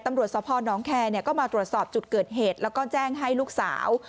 ตำรวจสพนแคร์ก็มาตรวจสอบจุดเกิดเหตุแล้วก็แจ้งให้ลูกสาว